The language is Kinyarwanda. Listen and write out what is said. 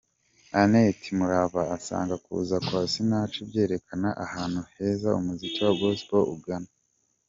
Annette Murava asanga kuza kwa Sinach byerekana ahantu heza umuziki wa Gospel ugana.